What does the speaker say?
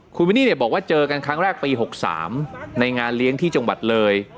คุณวินนี่บอกว่าเจอกันครั้งแรกปี๖๓ในงานเลี้ยงที่จังหวัดเลย